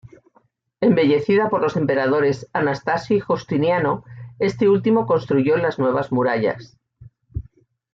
Embellecida por los emperadores Anastasio y Justiniano; este último construyó las nuevas murallas.